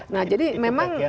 nah jadi memang